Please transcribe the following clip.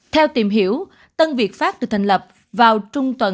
theo tìm hiểu tân việt pháp được thành lập vào trung tuần